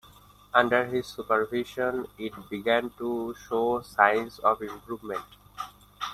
Under his supervision, it began to show signs of improvement.